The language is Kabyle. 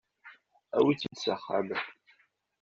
Awi-tt-id s axxam.